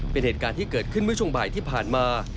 เป็นเหตุการณ์ที่เกิดขึ้นเมื่อช่วงบ่ายที่ผ่านมา